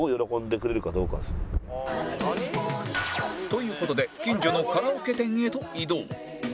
という事で近所のカラオケ店へと移動